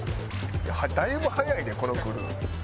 だいぶ早いでこのクルー。